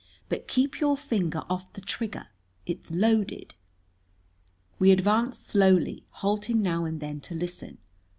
But keep your finger off the trigger. It's loaded." We advanced slowly, halting now and then to listen.